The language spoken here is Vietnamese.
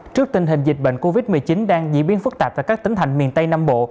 trước tình hình dịch bệnh covid một mươi chín đang diễn biến phức tạp tại các tỉnh thành miền tây nam bộ